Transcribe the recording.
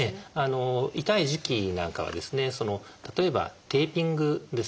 痛い時期なんかはですね例えばテーピングですね。